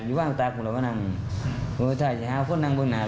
อยู่บ้านตรงตรงนั้น